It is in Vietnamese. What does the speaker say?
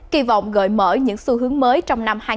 kỳ vọng gợi mở những xu hướng mới trong năm